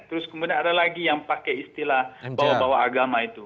terus kemudian ada lagi yang pakai istilah bawa bawa agama itu